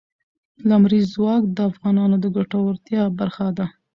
لمریز ځواک د افغانانو د ګټورتیا برخه ده.